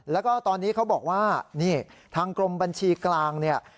แล้วก็ตอนนี้เขาบอกว่านี่ทางกรมบัญชีกลางเนี่ย